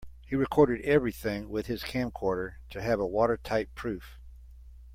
He recorded everything with his camcorder to have a watertight proof.